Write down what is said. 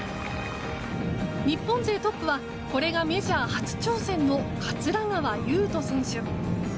日本勢トップは、これがメジャー初挑戦の桂川有人選手。